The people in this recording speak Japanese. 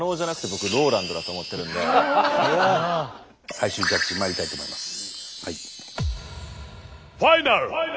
最終ジャッジにまいりたいと思います。